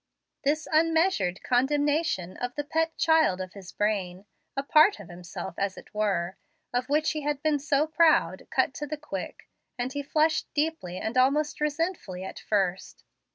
This unmeasured condemnation of the pet child of his brain, a part of himself as it were, of which he had been so proud, cut to the quick, and he flushed deeply and almost resentfully at first.